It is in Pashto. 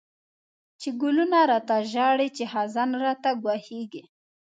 چی گلونه را ته ژاړی، چی خزان راته گواښیږی